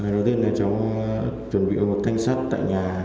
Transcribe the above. đầu tiên là cháu chuẩn bị một thanh sắt tại nhà